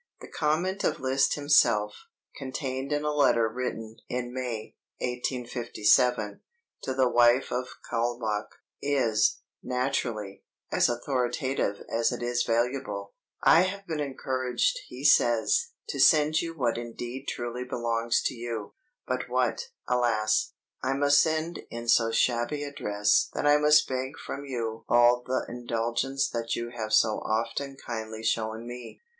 The comment of Liszt himself, contained in a letter written in May, 1857, to the wife of Kaulbach, is, naturally, as authoritative as it is valuable: "I have been encouraged," he says, "to send you what indeed truly belongs to you, but what, alas! I must send in so shabby a dress that I must beg from you all the indulgence that you have so often kindly shown me.